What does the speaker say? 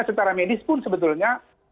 setara medis pun sebetulnya